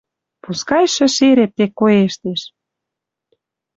Пускай шӹшерет тек коэштеш